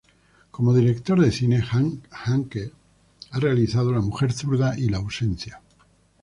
Como director de cine, Handke ha realizado "La mujer zurda" y "La ausencia".